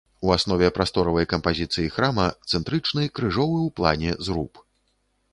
У аснове прасторавай кампазіцыі храма цэнтрычны крыжовы ў плане зруб.